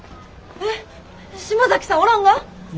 えっ島崎さんおらんが？